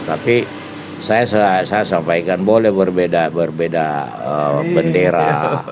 tapi saya sampaikan boleh berbeda berbeda bendera